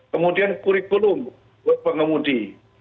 kemudian kurikulum buat pengemudi